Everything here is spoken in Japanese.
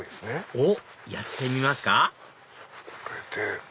おっやってみますか？